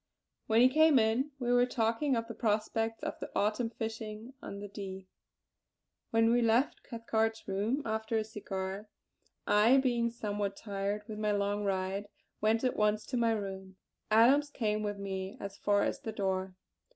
When he came in we were talking of the prospects of the Autumn fishing on the Dee. When we left Cathcart's room, after a cigar, I, being somewhat tired with my long ride, went at once to my room. Adams came with me as far as the door.